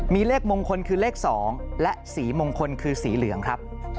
มีเลขมงคลคือเลข๒และสีมงคลคือสีเหลืองครับ